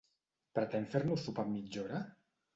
Pretén fer-nos sopar en mitja hora?